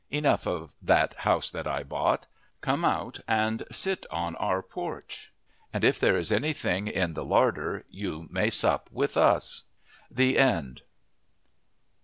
Enough of That House I Bought. Come out and sit on our porch, and if there is anything in the larder you may sup with us. THE END.